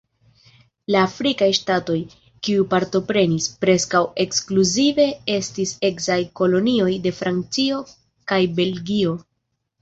La afrikaj ŝtatoj, kiuj partoprenis, preskaŭ ekskluzive estis eksaj kolonioj de Francio kaj Belgio.